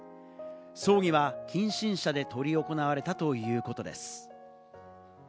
葬儀は近親者で執り行われたということです。